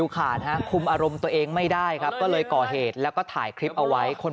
มันปูนตัวนี้ทุกวัน